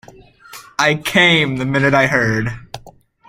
I came the minute I heard.